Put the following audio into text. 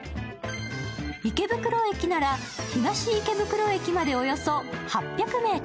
池袋駅なら東池袋駅までおよそ８００ｍ。